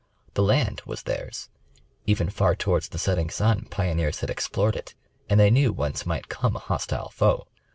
The land was theirs, even far towards the setting sun, pioneers had explored it, and they knew whence might come a hostile foe.